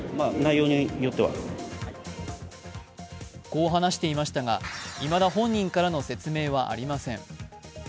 こう話していましたがいまだ本人からの説明はありません。